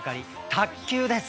卓球です。